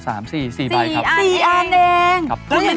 แล้วมันต่อทำเร็วแล้วเก่งมากอย่างนี้